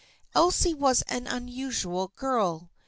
Elsie was an unusual girl.